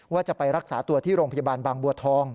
ว่าจะไปรักษาตัวที่โรงพยาบาลบางบัวทอง